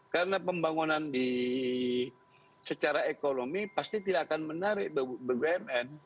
karena pembangunan secara ekonomi pasti tidak akan menarik bumn